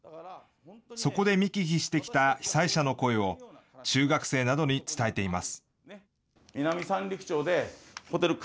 そこで見聞きしてきた被災者の声を、中学生などに伝えています。